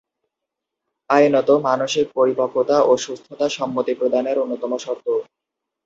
আইনত, মানসিক পরিপক্কতা ও সুস্থতা সম্মতি প্রদানের অন্যতম শর্ত।